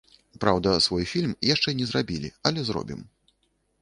Праўда, свой фільм яшчэ не зрабілі, але зробім.